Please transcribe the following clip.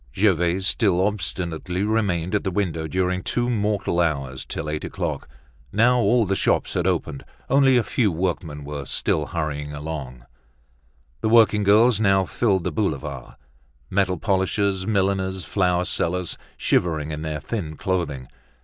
Gervaise still obstinately remained at the window during two mortal hours, till eight o'clock. Now all the shops had opened. Only a few work men were still hurrying along. The working girls now filled the boulevard: metal polishers, milliners, flower sellers, shivering in their thin clothing.